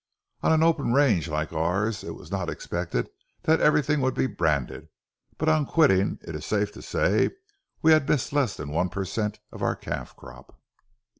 On an open range like ours, it was not expected that everything would be branded; but on quitting, it is safe to say we had missed less than one per cent of our calf crop.